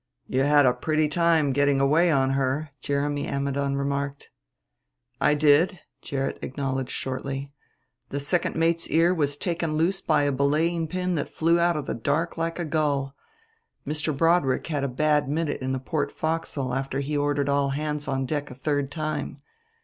"You had a pretty time getting a way on her," Jeremy Ammidon remarked. "I did," Gerrit acknowledged shortly. "The second mate's ear was taken loose by a belaying pin that flew out of the dark like a gull. Mr. Broadrick had a bad minute in the port forecastle after he had ordered all hands on deck a third time.